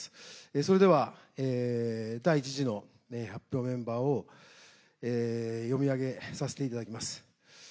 それでは第１次の発表メンバーを詠み上げさせていただきます。